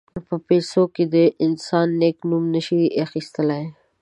په پیسو د انسان نېک نوم نه شي اخیستلای.